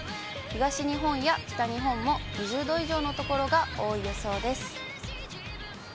東日本や北日本も２０度以上の所が多い予想です。